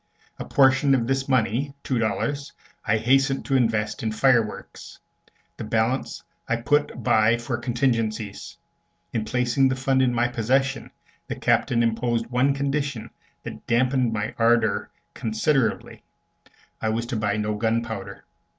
A portion of this money, two dollars, I hastened to invest in fireworks; the balance I put by for contingencies. In placing the fund in my possession, the Captain imposed one condition that dampened my ardor considerably I was to buy no gunpowder.